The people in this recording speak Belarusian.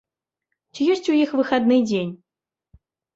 Ці ёсць у іх выхадны дзень?